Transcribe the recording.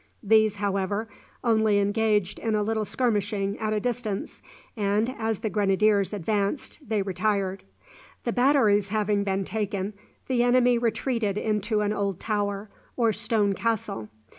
These, however, only engaged in a little skirmishing at a distance, and as the grenadiers advanced they retired. The batteries having been taken, the enemy retreated into an old tower, or stone castle.